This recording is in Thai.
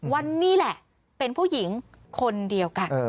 วันนี้แหละเป็นผู้หญิงคนเดียวกัน